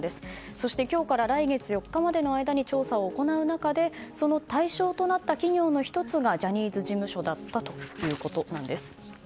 そして今日から来月４日までの間に調査を行う中でその対象のなった企業の１つがジャニーズ事務所だったということなんです。